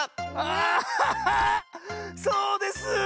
そうです！